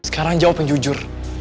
sekarang jawab yang jujur